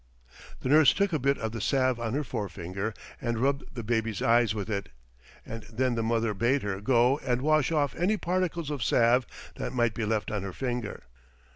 The nurse took a bit of the salve on her forefinger and rubbed the baby's eyes with it, and then the mother bade her go and wash off any particle of salve that might be left on her finger.